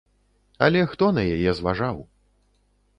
Але хто на яе зважаў?